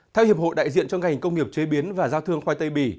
theo hiệp hội đại diện cho ngành công nghiệp chế biến và giao thương khoai tây bỉ